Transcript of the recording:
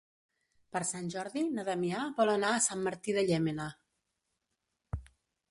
Per Sant Jordi na Damià vol anar a Sant Martí de Llémena.